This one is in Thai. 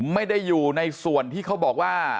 ไม่ได้อยู่ในส่วนที่เขาบอกว่า